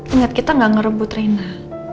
ingat kita gak ngerebut rina